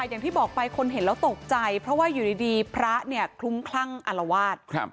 อย่างที่บอกไปคนเห็นแล้วตกใจเพราะว่าอยู่ดีพระเนี่ยคลุ้มคลั่งอารวาส